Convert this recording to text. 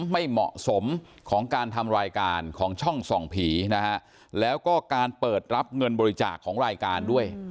ไม่เหมาะสมของการทำรายการของช่องส่องผีนะฮะแล้วก็การเปิดรับเงินบริจาคของรายการด้วย